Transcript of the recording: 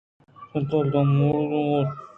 شانتل دام ءَ اڑگ ءَ اَنت